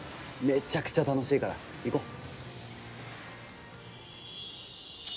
めちゃくちゃ楽しいから行こう。